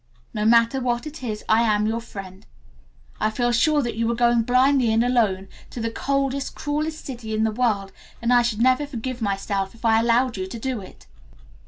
No matter what it is, I am your friend. I feel sure that you are going blindly and alone, to the coldest, cruelest city in the world and I should never forgive myself if I allowed you to do it."